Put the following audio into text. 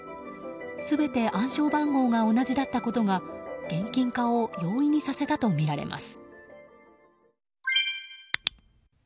全て暗証番号が同じだったことが現金化を容易にさせたとみられます。